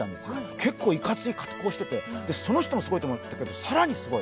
結構いかつい格好をしてて、その人もすごいと思ったけど更にすごい。